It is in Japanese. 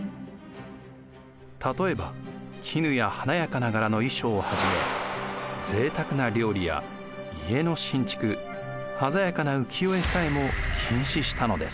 例えば絹や華やかな柄の衣装をはじめぜいたくな料理や家の新築鮮やかな浮世絵さえも禁止したのです。